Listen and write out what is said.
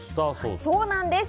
そうなんです。